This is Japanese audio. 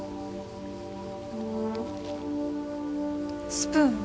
スプーン？